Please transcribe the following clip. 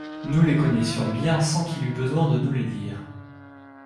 Nous les connaissions bien sans qu'il eût besoin de nous les dire.